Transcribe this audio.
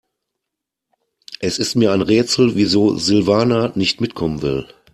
Es ist mir ein Rätsel, wieso Silvana nicht mitkommen will.